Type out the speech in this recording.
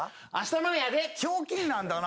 ひょうきんなんだな